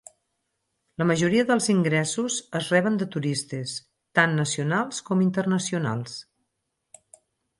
La majoria dels ingressos es reben de turistes, tant nacionals com internacionals.